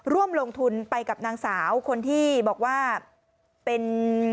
ร่วมลงทุนไปกับนางสาวคนที่บอกว่าเป็น